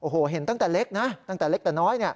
โอ้โหเห็นตั้งแต่เล็กนะตั้งแต่เล็กแต่น้อย